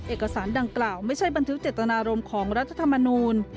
เอกสารดังกล่าวไม่ใช่บันทึกเจตนารมณ์ของรัฐธรรมนูล